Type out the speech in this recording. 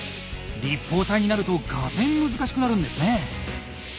立方体になるとがぜん難しくなるんですね！